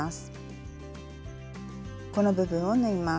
この部分を縫います。